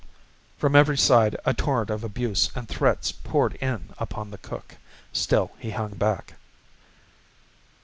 From every side a torrent of abuse and threats poured in upon the cook. Still he hung back.